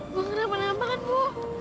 bukan apa apa kan bu